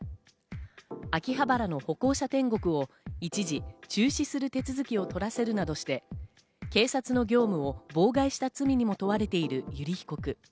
秋葉原の歩行者天国を一時中止する手続きを取らせるなどして、警察の業務を妨害した罪にも問われている油利被告。